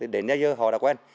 đến nay giờ họ đã quen